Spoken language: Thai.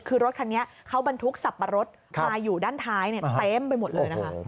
คือรถคันนี้เขาบรรทุกสับปะรดมาอยู่ด้านท้ายเต็มไปหมดเลยนะคะ